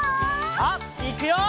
さあいくよ！